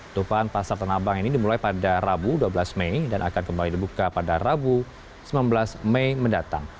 tupan pasar tanah abang ini dimulai pada rabu dua belas mei dan akan kembali dibuka pada rabu sembilan belas mei mendatang